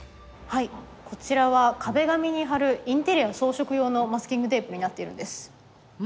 こちらは壁紙に貼るインテリアの装飾用のマスキングテープになっているんです。